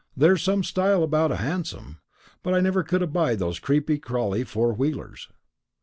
There's some style about a hansom; but I never could abide those creepy crawley four wheelers."